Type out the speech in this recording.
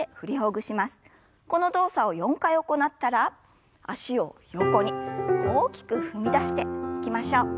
この動作を４回行ったら脚を横に大きく踏み出していきましょう。